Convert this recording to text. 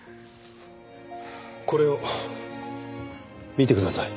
これを見てください。